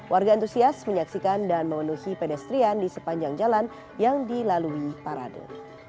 warga antusias menyaksikan dan memenuhi pedestrian di sepanjang jalan yang dilalui parade